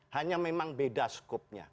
hanya memang beda skupnya